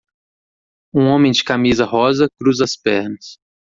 Um homem de camisa rosa cruza as pernas.